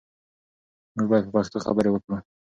موږ باید په پښتو خبرې وکړو.